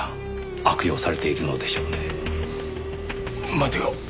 待てよ。